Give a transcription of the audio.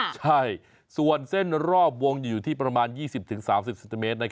ใช่ส่วนเส้นรอบวงอยู่ที่ประมาณ๒๐๓๐เซนติเมตร